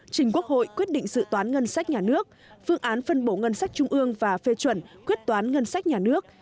trình quốc hội quyết định sự toán ngân sách nhà nước phương án phân bổ ngân sách trung ương và phê chuẩn quyết toán ngân sách nhà nước